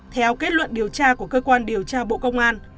theo kết luận điều tra của cơ quan điều tra bộ công an